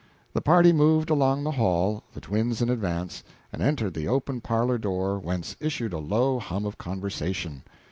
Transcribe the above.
The party moved along the hall, the twins in advance, and entered the open parlor door, whence issued a low hum of conversation.